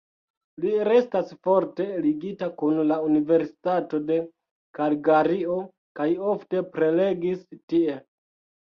Li restas forte ligita kun la Universitato de Kalgario kaj ofte prelegis tie.